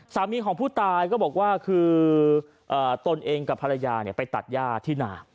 สามีของผู้ตายก็บอกว่าคือตนเองกับภรรยาไปตัดย่าที่นา